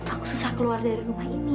aku susah keluar dari rumah ini